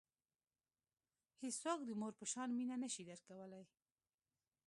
هیڅوک د مور په شان مینه نه شي درکولای.